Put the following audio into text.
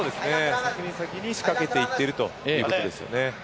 先に先に仕掛けていってるということですね。